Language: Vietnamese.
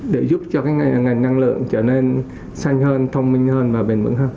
để giúp cho ngành năng lượng trở nên xanh hơn thông minh hơn và bền vững hơn